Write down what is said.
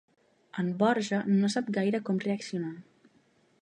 El Borja no sap gaire com reaccionar.